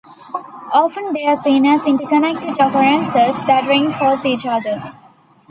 Often they are seen as interconnected occurrences that reinforce each other.